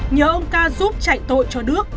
nhờ ông ca giúp chạy tội cho đức